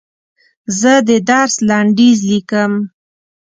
زه د درس لنډیز لیکم.